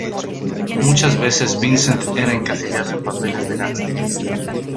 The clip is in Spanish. Muchas veces Vincent era encasillado en papeles de gánster.